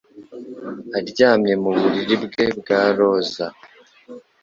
Aryamye mu buriri bwe bwa roza